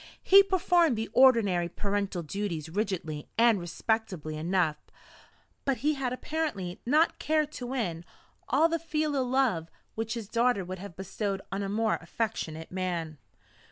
He performed the ordinary parental duties rigidly and respectably enough; but he had apparently not cared to win all the filial love which his daughter would have bestowed on a more affectionate man.